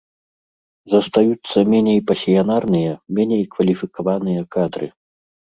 Застаюцца меней пасіянарныя, меней кваліфікаваныя кадры.